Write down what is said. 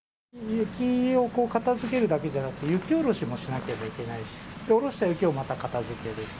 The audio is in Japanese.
雪をこう、片づけるだけじゃなくて、雪下ろしもしなければいけないし、下ろした雪をまた片づける。